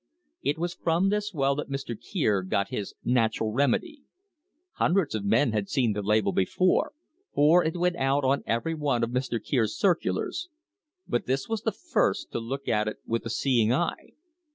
It was from this well that Mr. Kier got his "Natural Remedy." Hun dreds of men had seen the label before, for it went out on every one of Mr. Kier's circulars, but this was the first to look at it with a "seeing eye."